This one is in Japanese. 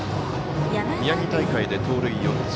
宮城大会で盗塁４つ。